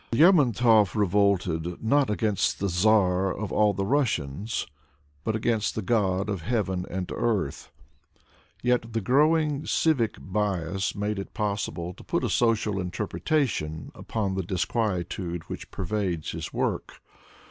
Lermontov revolted not against the Czar of all the Russias, but against the God of heaven and earth. Yet the growing civic bias made it possible to put a social interpretation upon the disquietude which pervades his work.